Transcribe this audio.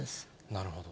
なるほど。